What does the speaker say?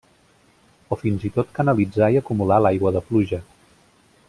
O fins i tot canalitzar i acumular l'aigua de pluja.